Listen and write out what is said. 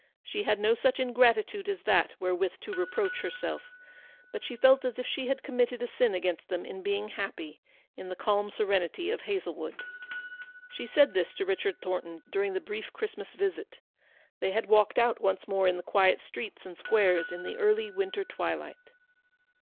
She had no such ingratitude as that wherewith to reproach herself; but she felt as if she had committed a sin against them in being happy in the calm serenity of Hazlewood. She said this to Richard Thornton during the brief Christmas visit. They had walked out once more in the quiet streets and squares in the early winter twilight.